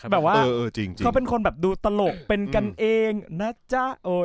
แบบว่าเขาเป็นคนแบบดูตลกเป็นกันเองนะจ๊ะ